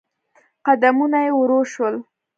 قدمونه يې ورو شول.